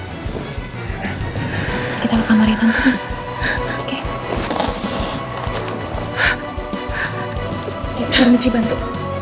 ya minta michi bantu